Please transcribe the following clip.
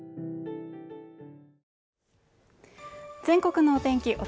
全国のお天気